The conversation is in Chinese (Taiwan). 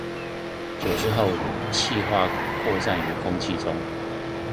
久置後汽化擴散於空氣中